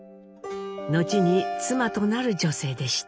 後に妻となる女性でした。